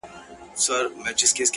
• زه زما او ستا و دښمنانو ته،